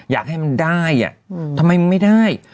อยากให้มันได้ทำไมมันไม่ได้